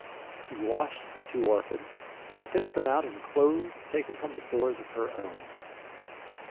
She washed the two orphans, and fitted them out in clothes taken from the stores of her own.